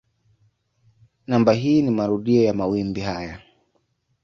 Namba hii ni marudio ya mawimbi haya.